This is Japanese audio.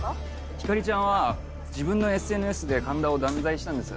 光莉ちゃんは自分のＳＮＳで神田を断罪したんです。